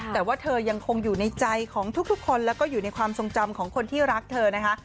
แต่ว่าเธอยังคงอยู่ในใจของทุกคนแล้วก็อยู่ในความทรงจำของคนที่รักเธอนะคะ